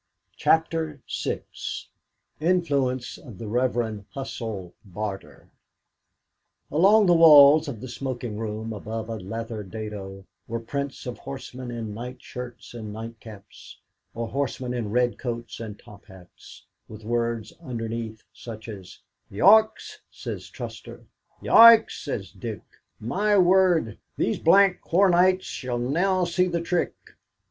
CHAPTER VI INFLUENCE OF THE REVEREND HUSSELL BARTER Along the walls of the smoking room, above a leather dado, were prints of horsemen in night shirts and nightcaps, or horsemen in red coats and top hats, with words underneath such as: "'Yeoicks' says Thruster; 'Yeoicks' says Dick. 'My word! these d d Quornites shall now see the trick!'.